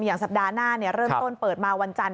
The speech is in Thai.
สัปดาห์หน้าเริ่มต้นเปิดมาวันจันทร์